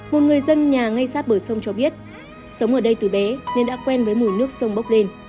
một người dân nhà ngay sát bờ sông cho biết sống ở đây từ bé nên đã quen với mùi nước sông bốc lên